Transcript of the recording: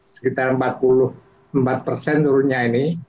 sekitar empat puluh empat persen turunnya ini